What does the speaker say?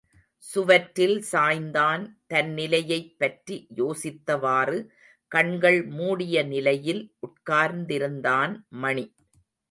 சுவற்றில் சாய்ந்தான் தன்நிலையைப்பற்றி யோசித்தவாறு, கண்கள் மூடிய நிலையில் உட்கார்ந்திருந்தான் மணி.